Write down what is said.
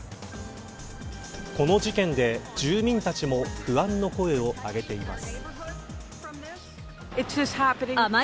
この事件で、住民たちも不安の声を上げています。